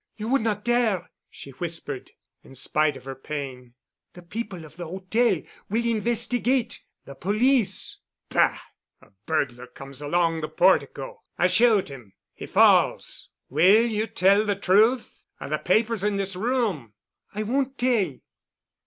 "You would not dare——" she whispered, in spite of her pain, "the people of the hotel—will investigate. The police——" "Bah! A burglar comes along the portico, I shoot him. He falls—will you tell the truth? Are the papers in this room?" "I won't tell."